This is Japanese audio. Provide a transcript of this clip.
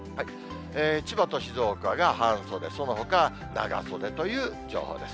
千葉と静岡が半袖、そのほか、長袖という情報です。